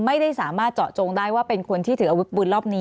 ไม่ได้สามารถเจาะจงได้ว่าเป็นคนที่ถืออาวุธปืนรอบนี้